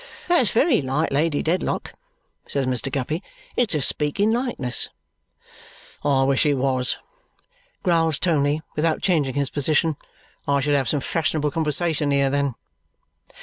"That's very like Lady Dedlock," says Mr. Guppy. "It's a speaking likeness." "I wish it was," growls Tony, without changing his position. "I should have some fashionable conversation, here, then."